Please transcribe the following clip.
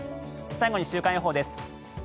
最後に週間予報です。